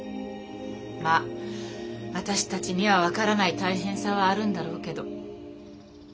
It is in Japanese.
まあ私たちには分からない大変さはあるんだろうけど。